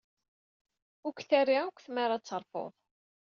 Ur k-terri akk tmara ad terfuḍ.